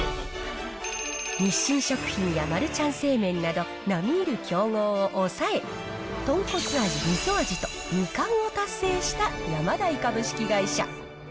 日清食品やマルちゃん製麺など、並みいる強豪を抑え、とんこつ味、味噌味と２冠を達成したヤマダイ株式会社。